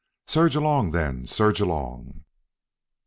Surge along, then. Surge along.